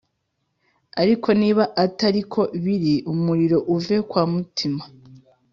Ariko niba atari ko biri umuriro uve kwamutima